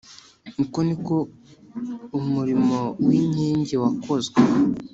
Uko ni ko umurimo w’inkingi wakozwe